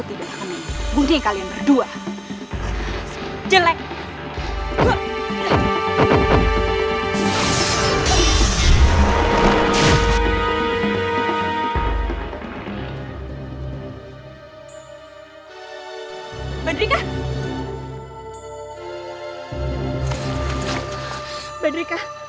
tidak berdikah kamu tidak boleh mati